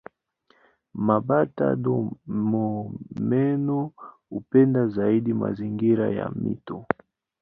Mabata-domomeno hupenda zaidi mazingira ya mito.